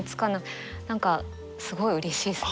何かすごいうれしいです。